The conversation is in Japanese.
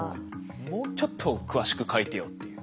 もうちょっと詳しく書いてよっていう。